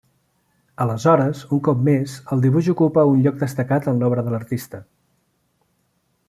Aleshores, un cop més, el dibuix ocupa un lloc destacat en l'obra de l'artista.